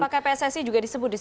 apa kpssi juga disebut disitu